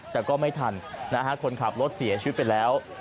แต่ก็ไม่ทันนะฮะคนขับรถเสียชีวิตไปแล้ว